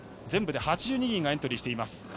全部で８２人がエントリーしています。